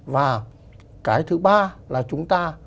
và cái thứ ba là chúng ta